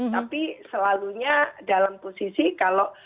tapi selalunya dalam posisi kemampuan politik